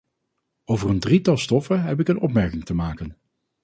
Over een drietal stoffen heb ik een opmerking te maken.